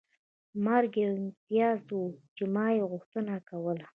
مرګ یو امتیاز و چې ما یې غوښتنه کوله